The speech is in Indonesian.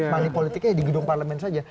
money politiknya di gedung parlemen saja